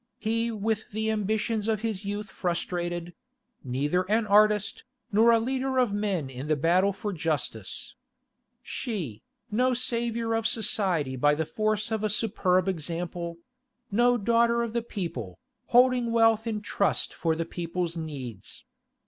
He with the ambitions of his youth frustrated; neither an artist, nor a leader of men in the battle for justice. She, no saviour of society by the force of a superb example; no daughter of the people, holding wealth in trust for the people's needs.